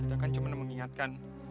kita kan cuma mengingatkan